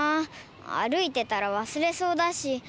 あるいてたらわすれそうだし。